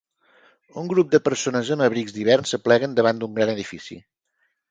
Un grup de persones amb abrics d'hivern s'apleguen davant d'un gran edifici.